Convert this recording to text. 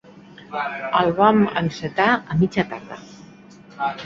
El vam encetar a mitja tarda.